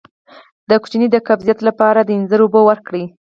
د ماشوم د قبضیت لپاره د انځر اوبه ورکړئ